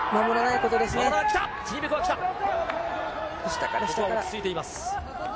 ここは落ち着いています。